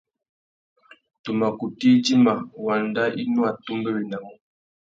Tu mà kutu idjima wanda i nú atumbéwénamú.